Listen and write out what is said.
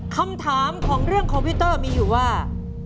คำถามของเรื่องคอมพิวเตอร์มีอยู่ว่า